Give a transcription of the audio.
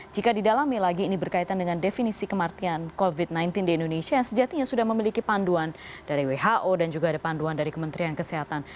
jika didalami lagi ini berkaitan dengan definisi kematian covid sembilan belas di indonesia yang sejatinya sudah memiliki panduan dari who dan juga ada panduan dari kementerian kesehatan